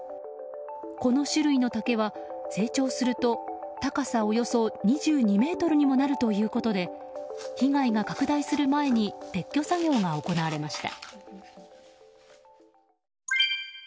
この種類の竹は、成長すると高さおよそ２２ｍにもなるということで被害が拡大する前に撤去作業が行われました。